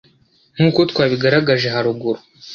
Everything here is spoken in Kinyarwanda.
nk’uko twabigaragaje haruguru,